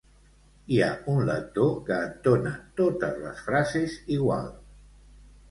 Hi ha un lector que entona totes les frases igual